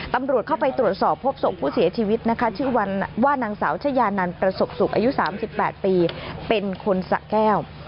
ตำรวจเข้าไปตรวจสอบพบศพผู้เสียชีวิตนะคะ